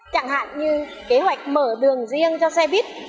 chẳng hạn như kế hoạch mở đường riêng cho xe buýt